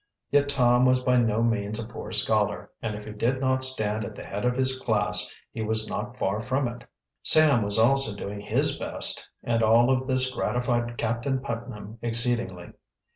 Yet Tom was by no means a poor scholar, and if he did not stand at the head of his class he was not far from it. Sam was also doing his best, and all of this gratified Captain Putnam exceedingly.